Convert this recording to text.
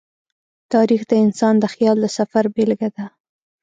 تاریخ د انسان د خیال د سفر بېلګه ده.